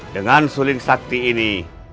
dengan suling sakti ini